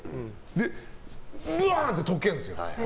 で、ぶわーって解けるんですよ。